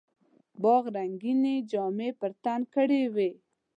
باغ رنګیني جامې په تن کړې وې.